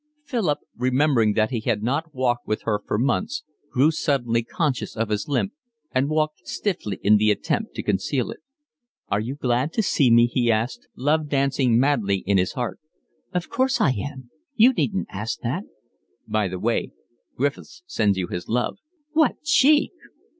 Philip, remembering he had not walked with her for months, grew suddenly conscious of his limp and walked stiffly in the attempt to conceal it. "Are you glad to see me?" he asked, love dancing madly in his heart. "Of course I am. You needn't ask that." "By the way, Griffiths sends you his love." "What cheek!"